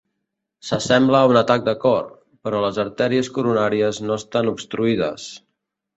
S'assembla a un atac de cor, però les artèries coronàries no estan obstruïdes.